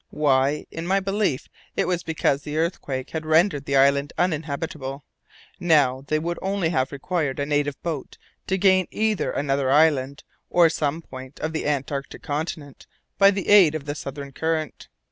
Why? In my belief, it was because the earthquake had rendered the island uninhabitable. Now, they would only have required a native boat to gain either another island or some point of the Antarctic continent by the aid of the southern current.